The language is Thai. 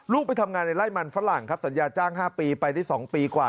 ไปทำงานในไล่มันฝรั่งครับสัญญาจ้าง๕ปีไปได้๒ปีกว่า